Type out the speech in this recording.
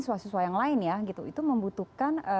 siswa siswa yang lain ya gitu itu membutuhkan